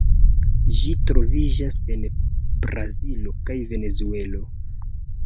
Ĝi troviĝas en Brazilo kaj Venezuelo.